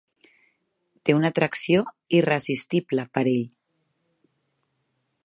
Té una atracció irresistible per ell.